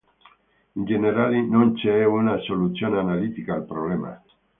In generale, non c'è una soluzione analitica al problema.